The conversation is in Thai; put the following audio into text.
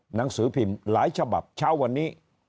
หนังสือพิมพ์หลายฉบับเช้าวันนี้